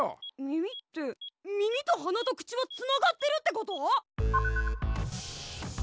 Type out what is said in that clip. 耳って耳と鼻と口はつながってるってこと！？